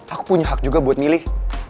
aku punya hak juga buat milih